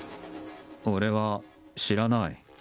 俺は知らない。